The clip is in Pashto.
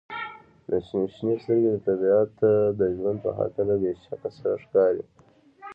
• شنې سترګې د طبیعت د ژوند په هکله بې شک سره ښکاري.